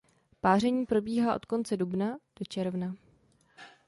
Páření probíhá od konce dubna do června.